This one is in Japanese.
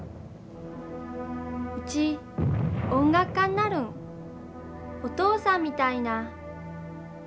うち音楽家になるんお父さんみたいな。